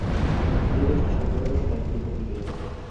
এই দোষটি সম্পূর্ণরূপে ত্যাগ করিতে হইবে।